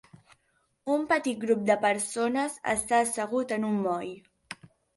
Un petit grup de persones està assegut en un moll.